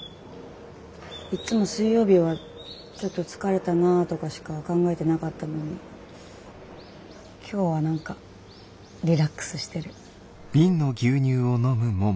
いっつも水曜日はちょっと疲れたなとかしか考えてなかったのに今日は何かリラックスしてる。